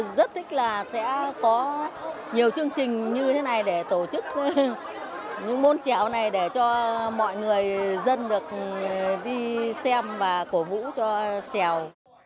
rất thích là sẽ có nhiều chương trình như thế này để tổ chức những môn trèo này để cho mọi người dân được đi xem và cổ vũ cho trèo